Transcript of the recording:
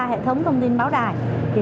hệ thống thông tin báo đài